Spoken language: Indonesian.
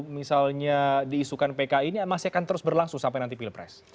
misalnya diisukan pki ini masih akan terus berlangsung sampai nanti pilpres